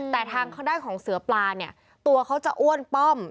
แต่ทางด้านของเสือปลาเนี่ยตัวเขาจะอ้วนป้อม